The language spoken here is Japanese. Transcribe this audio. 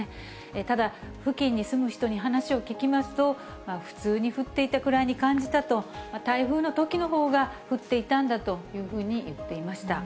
ただ、付近に住む人に話を聞きますと、普通に降っていたくらいに感じたと、台風のときのほうが降っていたんだというふうに言っていました。